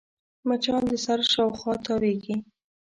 مچان د سر شاوخوا تاوېږي